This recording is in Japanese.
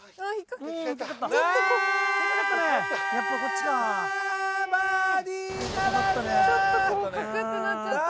ちょっとカクッてなっちゃった。